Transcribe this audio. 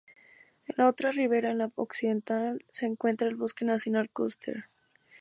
En la otra ribera, en la occidental se encuentra el Bosque Nacional Custer.